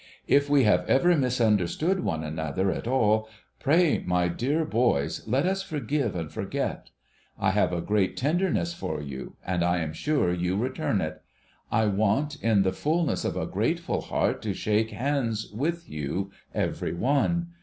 If we have ever misunderstood one another at all, pray, my dear boys, let us forgive and forget. I have a great tenderness for you, and I am sure you return it. I want in the fulness of a grateful heart to shake hands with you every one.